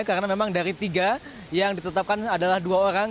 karena memang dari tiga yang ditetapkan adalah dua orang